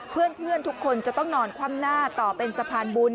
เพื่อนทุกคนจะต้องนอนคว่ำหน้าต่อเป็นสะพานบุญ